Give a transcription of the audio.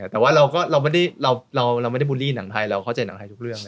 แต่ว่าเราไม่ได้บูลลี่หนังไทยเราเข้าใจหนังไทยทุกเรื่อง